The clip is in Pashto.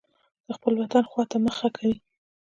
د خپل وطن خوا ته مخه کوي.